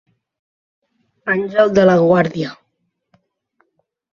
Àngel de la guàrdia